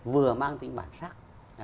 vừa mang tính bản sắc